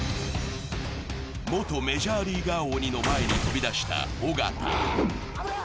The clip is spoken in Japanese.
元メジャーリーガー鬼の前に飛び出した尾形。